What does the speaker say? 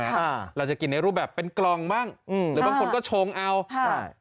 อ่าเราจะกินในรูปแบบเป็นกล่องบ้างอืมหรือบางคนก็ชงเอาใช่